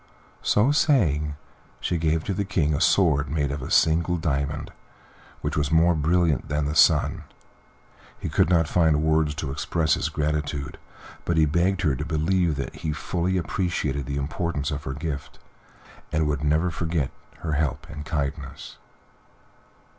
So saying, she gave to the King a sword made from a single diamond, which was more brilliant than the sun. He could not find words to express his gratitude, but he begged her to believe that he fully appreciated the importance of her gift, and would never forget her help and kindness.